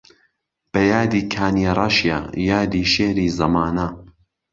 بە یادی کانیەڕەشیە یادی شێری زەمانە